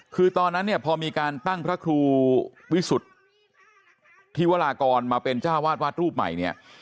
คือตอนนั้นเนี่ยพอมีการตั้งพระครูวิสุทธิวรากรมาเป็นเจ้าวาดวัดรูปใหม่เนี่ย